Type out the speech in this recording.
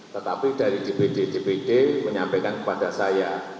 tetapi dari dpd dpd menyampaikan kepada saya